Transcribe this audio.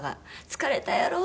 「疲れたやろ？」